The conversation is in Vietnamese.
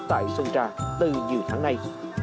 tại sơn trà từ dưới tháng nay